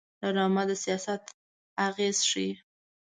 ډرامه د سیاست اغېز ښيي